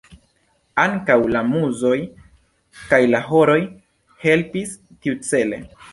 Ankaŭ la muzoj kaj la horoj helpis tiucele.